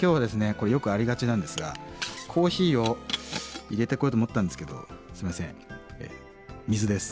これよくありがちなんですがコーヒーを入れてこようと思ったんですけどすみません水です。